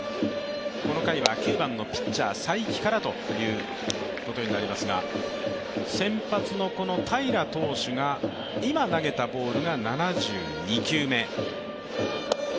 この回は９番のピッチャー才木からということになりますが、先発のこの平良投手が今投げたボールが７９球目。